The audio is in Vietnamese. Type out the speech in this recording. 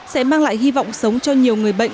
sẽ mang lại hy vọng sống cho nhiều người bệnh